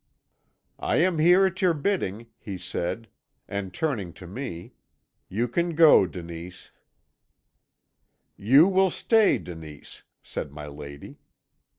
"I am here at your bidding,' he said, and turning to me, 'You can go, Denise.' "'You will stay, Denise,' said my lady.